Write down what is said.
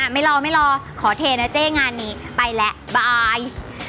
ไม่รอไม่รอขอเทนะเจ๊งานนี้ไปแล้วบาย